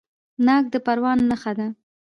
ناک د پروان نښه ده.